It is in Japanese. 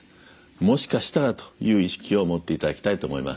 もしかしたらという意識を持っていただきたいと思います。